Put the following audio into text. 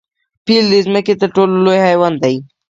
پیل د ځمکې تر ټولو لوی حیوان دی